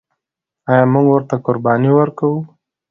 آیا موږ ورته قرباني ورکوو؟